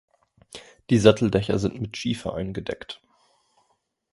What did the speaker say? Die Satteldächer sind mit Schiefer eingedeckt.